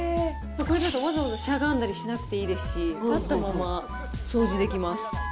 これだとわざわざしゃがんだりしなくていいですし、立ったまま掃除できます。